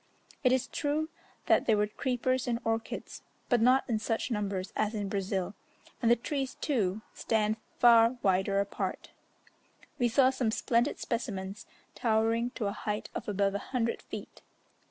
It is true that there were creepers and orchids, but not in such numbers as in Brazil, and the trees, too, stand far wider apart. We saw some splendid specimens, towering to a height of above a hundred feet.